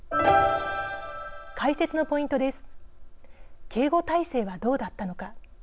解説のポイントです。